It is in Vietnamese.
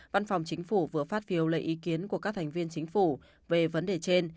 văn phòng chính phủ vừa phát phiêu lấy ý kiến của các thành viên chính phủ về vấn đề trên